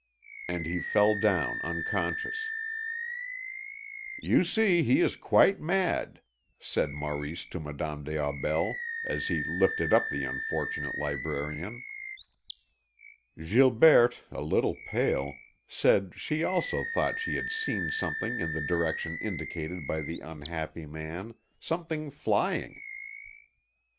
And he fell down unconscious. "You see he is quite mad," said Maurice to Madame des Aubels, as he lifted up the unfortunate librarian. Gilberte, a little pale, said she also thought she had seen something in the direction indicated by the unhappy man, something flying.